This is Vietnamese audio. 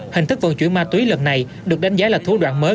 hình thức vận chuyển ma túy lần này được đánh giá là thủ đoạn mới